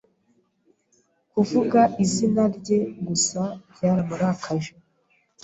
Kuvuga izina rye gusa byaramurakaje.